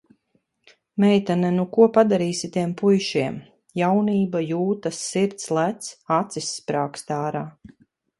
Meitene, nu ko padarīsi tiem puišiem. Jaunība, jūtas, sirds lec, asis sprāgst ārā.